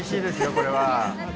これは。